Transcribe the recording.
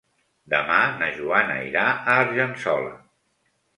Demà na Joana irà a Argençola.